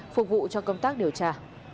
phục vụ cho công tác điều tra